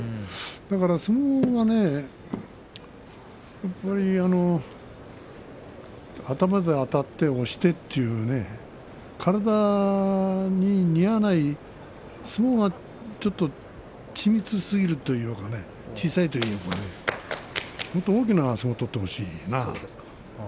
だから相撲はね頭であたって押してという体に似合わない相撲がちょっとち密なすぎるというか小さいというかもっと大きな相撲を取ってほしい。